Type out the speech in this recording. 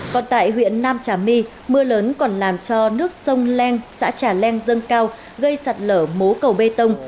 còn tại huyện nam trà my mưa lớn còn làm cho nước sông leng xã trà leng dâng cao gây sạt lở mố cầu bê tông